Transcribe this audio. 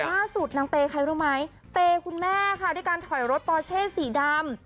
ล่าสุดนางเปย์ใครรู้ไหมเปย์คุณแม่ค่ะด้วยการถอยรถปอเช่สีดำ